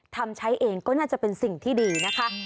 ทำใช้เองก็น่าจะเป็นสิ่งที่ดีนะคะ